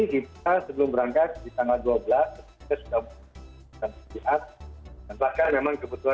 kita sebelum berangkat